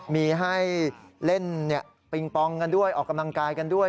มีให้เล่นปิงปองกันด้วยออกกำลังกายกันด้วย